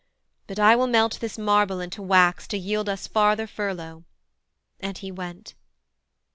But I will melt this marble into wax To yield us farther furlough:' and he went.